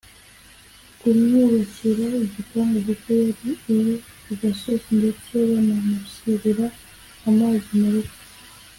kumwubakira igipangu kuko yari iri ku gasozi ndetse banamushyirira amazi mu rugo